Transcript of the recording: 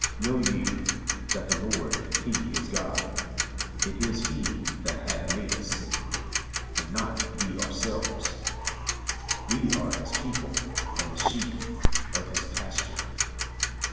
Know ye that the Lord he is God; It is he that hath made us, and not we ourselves; We are his people, and the sheep of his pasture.